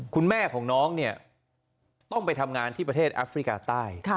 คุณแม่ของน้องเนี่ยต้องไปทำงานที่ประเทศแอฟริกาใต้